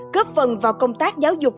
góp phần vào công tác giáo dục